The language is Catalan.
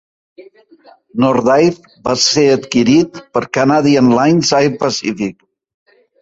Nordair va ser adquirit per Canadian Lines Air Pacific.